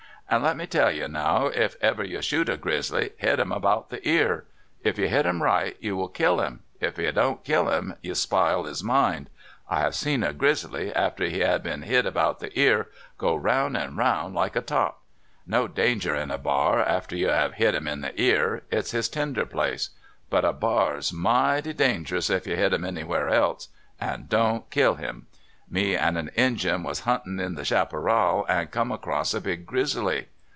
"An' let me tell you now, if ever you shoot a grizzly, hit him about the ear. If you hit him right, you will kill him ; if you do n't kill him, you spile his mind. I have seen a grizzly, after he had been hit about the ear, go round an' round like a toj^. No danger in a bar after you have hit him in the ear — it 's his tender place. But a bar 'a mighty dangerous if you hit him anywhere else, an' do n't kill him. Me an' a Injun was huntin' in a chaparral, and cum across a big grizzly.